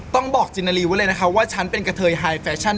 ต้องบอกจินนาลีไว้เลยนะคะว่าฉันเป็นกะเทยไฮแฟชั่น